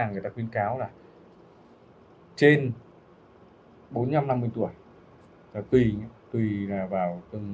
người ta khuyến cáo là trên bốn mươi năm năm mươi tuổi là tùy vào tầng